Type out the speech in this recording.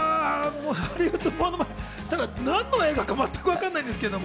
ただ何の映画か全くわからないんですけれども。